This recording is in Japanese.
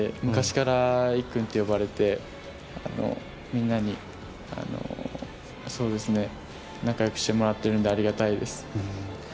昔からいっくんって呼ばれてみんなに仲良くしてもらっているのでありがたいです。